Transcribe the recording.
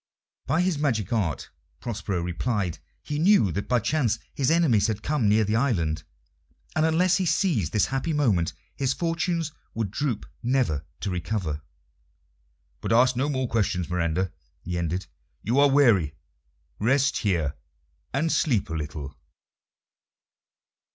By his magic art, Prospero replied, he knew that by chance his enemies had come near the island, and unless he seized this happy moment his fortunes would droop, never to recover. "But ask no more questions, Miranda," he ended. "You are weary; rest here and sleep a little."